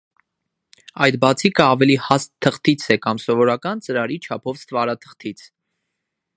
Այդ բացիկը ավելի հաստ թղթից է կամ սովորական ծրարի չափով ստվարաթղթից։